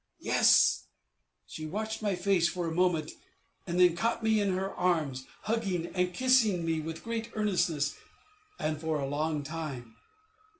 "Yes." She watched my face for a moment, and then caught me in her arms, hugging and kissing me with great earnestness, and for a long time.